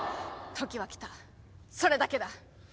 時は来たそれだけだ！！